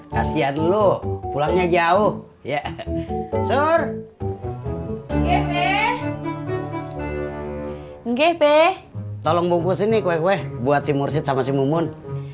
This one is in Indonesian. kasihan lu pulangnya jauh ya suruh gpp tolong bungkus ini kue buat si mursyid sama si mumun